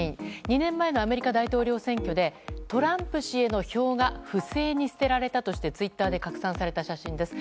２年前のアメリカ大統領選挙でトランプ氏への票が不正に捨てられたとしてツイッターで拡散された写真です。